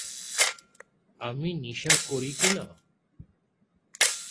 আমি নিশা করি কিনা?